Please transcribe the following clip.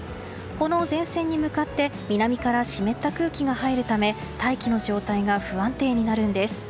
この前線に向かって南から湿った空気が入るため大気の状態が不安定になるんです。